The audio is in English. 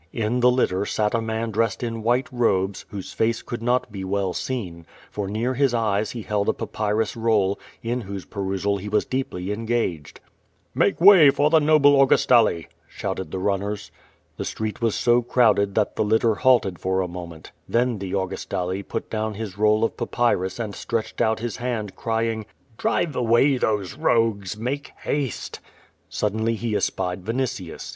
In the litter sat a man dressed in white robes, whose face could not be well seen, for near his eyes he held a papyrus roll, in whose perusal he was deeply engaged. ^rake way for the noble Augustale,^' shouted the runners. The street was so crowded that the litter halted for a mo ment Then the Augustale put down his roll of papyrus and stretched out his hand, crying: "Drive away these rogues! Make haste!*' Suddenly he espied Vinitius.